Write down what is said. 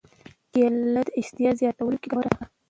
کېله د اشتها زیاتولو کې ګټوره ده.